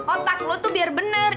otak lo tuh biar benar